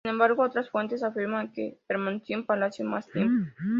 Sin embargo, otras fuentes afirman que permaneció en palacio más tiempo.